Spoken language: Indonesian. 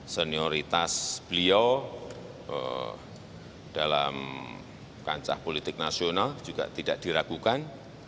senioritas beliau dalam kancah politik nasional juga tidak diragukan